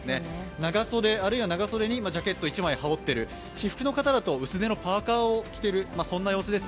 長袖、あるいは長袖にジャケット１枚羽織っている、私服の方だと薄手のパーカーを着ているという様子です。